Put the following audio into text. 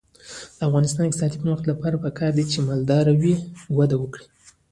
د افغانستان د اقتصادي پرمختګ لپاره پکار ده چې مالداري وده وکړي.